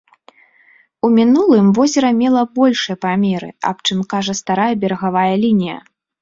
У мінулым возера мела большыя памеры, аб чым кажа старая берагавая лінія.